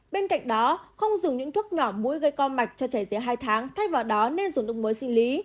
bên cạnh đó không dùng những thuốc nhỏ mũi gây co mạch cho trẻ dưới hai tháng thay vào đó nên dùng thuốc mới sinh lý